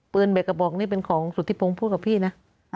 ปืนแต่กระบอกนี้เป็นของสุดที่ผมพูดกับพี่นะ